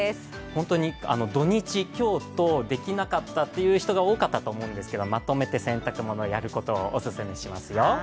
本当に土日、今日と、できなかったという人が多かったと思うんですけど、まとめて洗濯物やることをオススメしますよ。